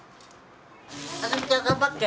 一美ちゃん頑張って。